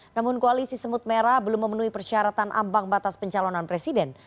namun koalisi semut merah belum memenuhi persyaratan ambang batas pencalonan presiden